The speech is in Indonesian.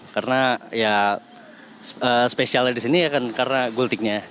karena ya spesialnya di sini ya kan gulai tikungannya